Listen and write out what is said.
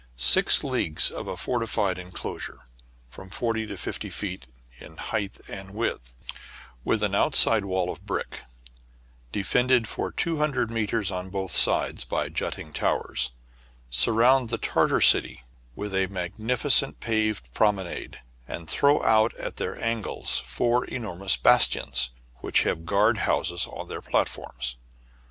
Six leagues of a fortified enclosure, from forty to fifty feet in height and width, with an outside wall of brick, defended for two hundred metres on both sides by jutting towers, surround the Tartar city with a magnificent paved promenade ; and throw out at their angles four enormous bastions, which have guard houses on their platforms.